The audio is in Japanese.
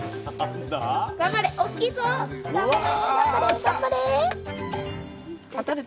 頑張れ！